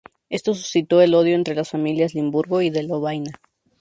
Esto suscitó el odio entre las familias Limburgo y de Lovaina.